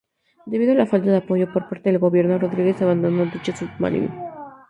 Debido a la falta de apoyo por parte del gobierno, Rodríguez abandonó dicho submarino.